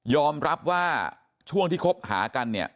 รับว่าช่วงที่คบหากันเนี่ย